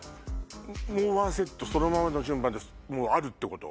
もうワンセットそのままの順番でもうあるってこと？